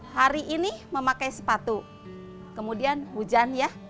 hari ini memakai sepatu kemudian hujan ya